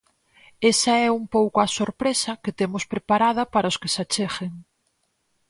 Esa é un pouco a sorpresa que temos preparada para os que se acheguen.